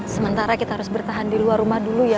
sementara kita harus bertahan di luar rumah dulu ya